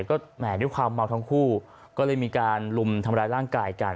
ก็แหมด้วยความเมาทั้งคู่ก็เลยมีการลุมทำร้ายร่างกายกัน